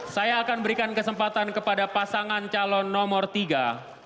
saya akan berikan kesempatan kepada pasangan calon nomor tiga